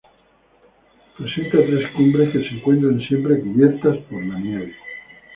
Presenta tres cumbres, que se encuentran siempre cubiertas por la nieve.